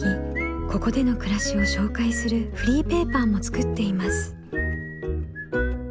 ここでの暮らしを紹介するフリーペーパーも作っています。